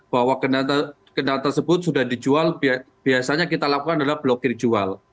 bahwa kendal tersebut sudah dijual biasanya kita lakukan adalah blokir jual